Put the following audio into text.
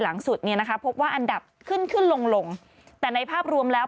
หลังสุดเนี่ยนะคะพบว่าอันดับขึ้นลงแต่ในภาพรวมแล้ว